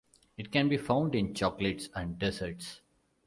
It can be found in chocolates and desserts.